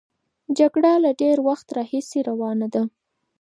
جګړه له ډېر وخت راهیسې روانه ده.